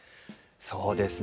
そうですね。